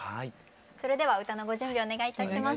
それでは歌のご準備をお願いいたします。